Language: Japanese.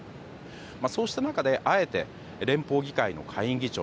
そうした中であえて連邦議会の下院議長